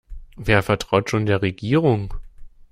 Wer vertraut schon der Regierung?